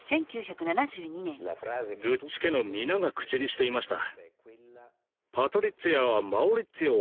グッチ家の皆が口にしていました。